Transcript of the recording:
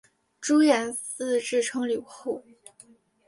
朱延嗣自称留后。